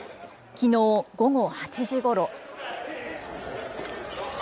きのう午後８時ごろ。